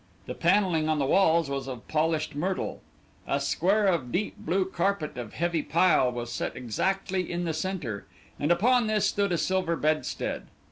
The panelling on the walls was of polished myrtle; a square of deep blue carpet of heavy pile was set exactly in the centre, and upon this stood a silver bedstead.